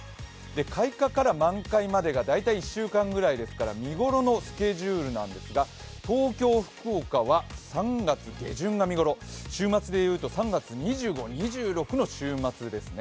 開花から満開までが大体１週間くらいですから見ごろのスケジュールなんですが東京、福岡は３月下旬が見ごろ、週末でいうと、３月２５２６日の週末ですね。